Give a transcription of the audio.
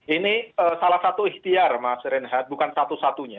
ini salah satu ikhtiar mas reinhardt bukan satu satunya